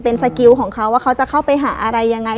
เป็นสกิลของเขาว่าเขาจะเข้าไปหาอะไรยังไง